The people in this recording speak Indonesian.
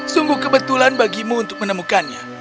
sungguh kebetulan bagimu untuk menemukannya